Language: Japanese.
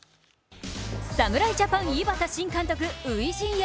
侍ジャパン、井端新監督初陣へ。